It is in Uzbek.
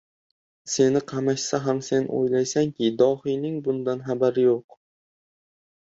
Seni qamashsa ham sen oʻylaysanki, dohiyning bundan xabari yoʻq.